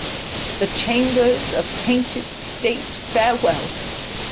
To chambers of painted state farewell!